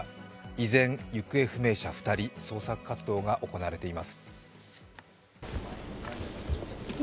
依然、行方不明者２人捜索活動が行われています。